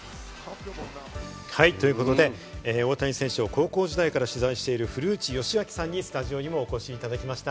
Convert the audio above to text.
ということで、大谷選手を高校時代から取材している古内義明さんにスタジオにもお越しいただきました。